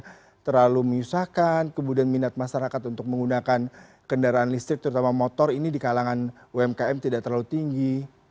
yang terlalu menyusahkan kemudian minat masyarakat untuk menggunakan kendaraan listrik terutama motor ini di kalangan umkm tidak terlalu tinggi